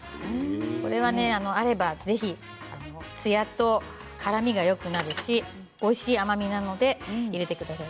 これは、あればぜひツヤとからみがよくなるしおいしい甘みなので入れてください。